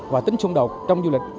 và tính xung đột trong du lịch